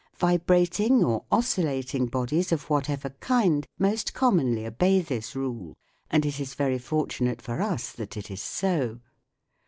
Vibrating or oscil lating bodies of whatever kind most commonly obey this rule, and it is very fortunate for us that it is so.